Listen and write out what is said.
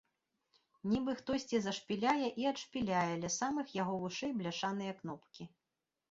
Нібы хтосьці зашпіляе і адшпіляе ля самых яго вушэй бляшаныя кнопкі.